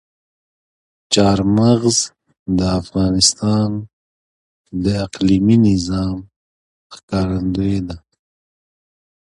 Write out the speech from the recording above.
چار مغز د افغانستان د اقلیمي نظام ښکارندوی ده.